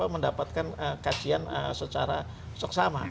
mendapatkan kajian secara soksama